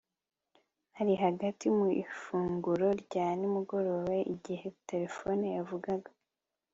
Nari hagati mu ifunguro rya nimugoroba igihe terefone yavugaga